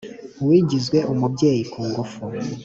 uwagizwe umubyeyi kungufu